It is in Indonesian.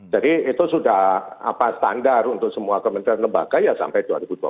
jadi itu sudah apa standar untuk semua kementerian dan lembaga ya sampai dua ribu dua puluh empat